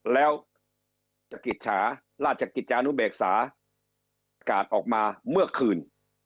แล้วราชกิจจานุเบกษากาดออกมาเมื่อคืน